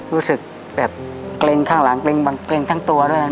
รู้สึกแบบเกรงข้างหลังเกรงทั้งตัวด้วย